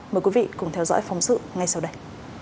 mời quý vị cùng theo dõi phóng sự ngay sau đây